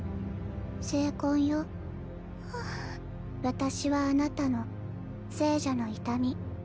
私はあなたの聖者の痛み。